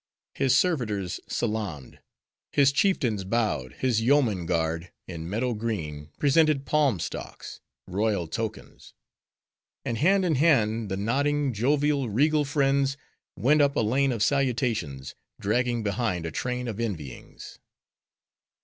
His servitors salamed; his chieftains bowed; his yeoman guard, in meadow green, presented palm stalks,—royal tokens; and hand in hand, the nodding, jovial, regal friends, went up a lane of salutations; dragging behind, a train of envyings.